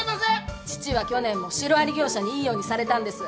父は去年も白あり業者にいいようにされたんです。